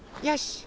よし！